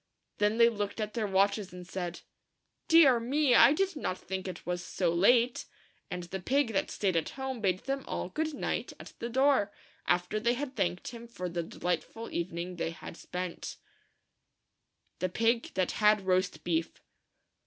Then they looked at their watches and said, " Dear ! me! I did not think it was so late!" and the pig that staid at home bade them all "good night" at the door, after they had all thanked him for the delightful eve ning they had spent THE PIG THAT HAD ROAST BEEF.